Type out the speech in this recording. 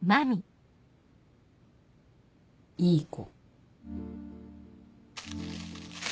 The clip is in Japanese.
いい子。